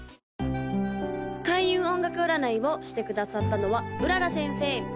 ・開運音楽占いをしてくださったのは麗先生